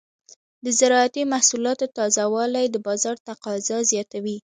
د زراعتي محصولاتو تازه والي د بازار تقاضا زیاتوي.